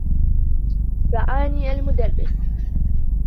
رآني المدرّس.